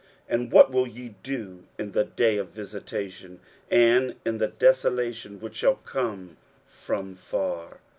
23:010:003 And what will ye do in the day of visitation, and in the desolation which shall come from far?